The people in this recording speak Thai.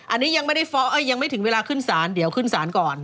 อันนี้ยังไม่ได้ฟ้องยังไม่ถึงเวลาขึ้นศาลเดี๋ยวขึ้นศาลก่อน